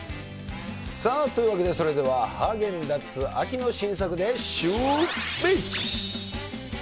さあ、というわけでそれではハーゲンダッツ、秋の新作でシューＷｈｉｃｈ。